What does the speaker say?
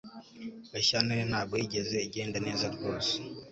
Gashyantare ntabwo yigeze igenda neza rwose